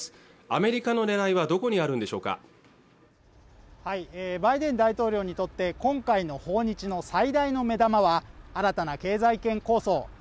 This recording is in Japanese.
アメリカのねらいはどこにあるんでしょうかバイデン大統領にとって今回の訪日の最大の目玉は新たな経済圏構想